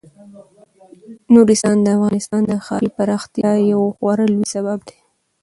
نورستان د افغانستان د ښاري پراختیا یو خورا لوی سبب دی.